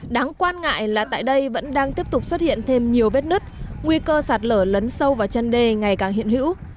đáng quan ngại là tại đây vẫn đang tiếp tục xuất hiện thêm nhiều vết nứt nguy cơ sạt lở lấn sâu vào chân đê ngày càng hiện hữu